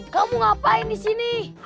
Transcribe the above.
kamu ngapain disini